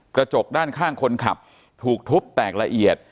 กระจกด้านข้างคนขับถูกทุบแตกละเอียด